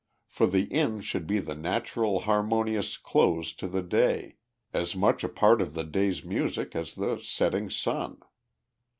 For the inn should be the natural harmonious close to the day, as much a part of the day's music as the setting sun.